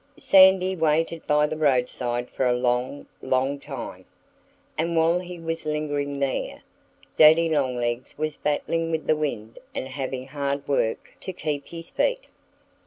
Sandy waited by the roadside for a long, long time. And while he was lingering there, Daddy Longlegs was battling with the wind and having hard work to keep his feet.